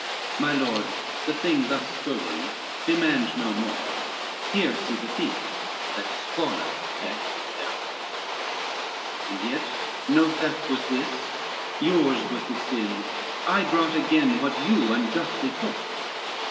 My Lord, the thing thus stolen demand no more, Here see the thief that scorneth death therefor. XXV "And yet no theft was this, yours was the sin, I brought again what you unjustly took."